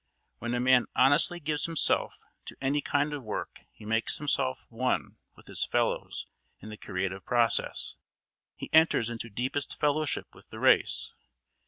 When a man honestly gives himself to any kind of work he makes himself one with his fellows in the creative process; he enters into deepest fellowship with the race.